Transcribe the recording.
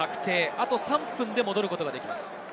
あと３分で戻ることができます。